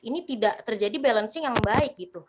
ini tidak terjadi balancing yang baik gitu